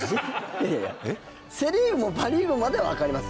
いやいや「セ・リーグもパ・リーグも」までは分かりますよ